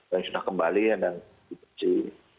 yang sudah kembali yang mungkin